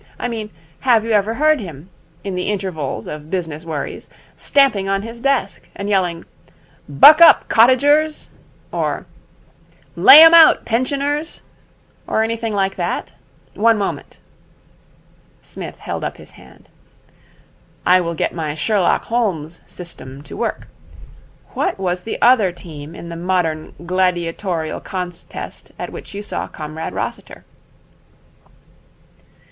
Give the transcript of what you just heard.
I mean, have you ever heard him, in the intervals of business worries, stamping on his desk and yelling, "Buck up Cottagers!" or "Lay 'em out, Pensioners!" or anything like that? One moment.' Psmith held up his hand. 'I will get my Sherlock Holmes system to work. What was the other team in the modern gladiatorial contest at which you saw Comrade Rossiter?'